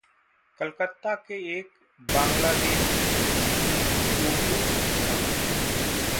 कलकत्ता के एक बांग्लादेशी जिगोलो की कहानी